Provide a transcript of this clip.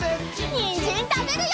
にんじんたべるよ！